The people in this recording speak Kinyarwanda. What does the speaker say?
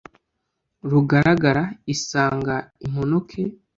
rugaragara isanga imponoke,